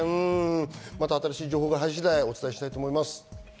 また新しい情報が入り次第お伝えしたいと思います。